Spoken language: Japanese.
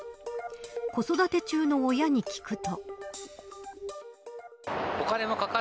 子育て中の親に聞くと。